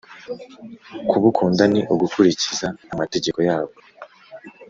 Kubukunda ni ugukurikiza amategeko yabwo,